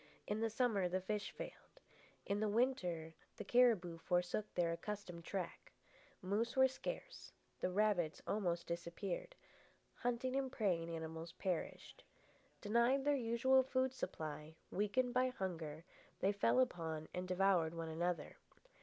In the summer the fish failed. In the winter the cariboo forsook their accustomed track. Moose were scarce, the rabbits almost disappeared, hunting and preying animals perished. Denied their usual food supply, weakened by hunger, they fell upon and devoured one another.